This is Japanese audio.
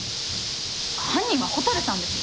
犯人は蛍さんでしょ？